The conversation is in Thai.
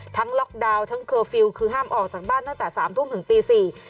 ล็อกดาวน์ทั้งเคอร์ฟิลล์คือห้ามออกจากบ้านตั้งแต่สามทุ่มถึงตีสี่